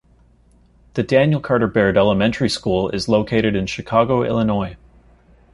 The Daniel Carter Beard Elementary School is located in Chicago, Illinois.